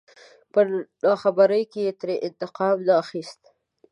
په ناخبرۍ کې يې ترې انتقام نه اخست.